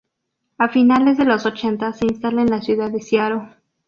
A finales de los ochenta se instala en la ciudad de Seattle.